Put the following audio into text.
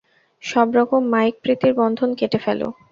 সব রকম মায়িক প্রীতির বন্ধন কেটে ফেল।